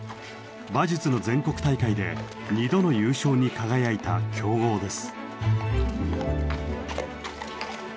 馬術の全国大会で２度の優勝に輝いた強豪です。